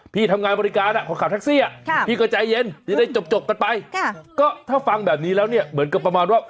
พี่ทำงานบริการคนขับแท็กซี่พี่ก็ใจเย็นจะได้จบกันไปก็ถ้าฟังแบบนี้แล้วเนี่ยเหมือนกับประมาณว่า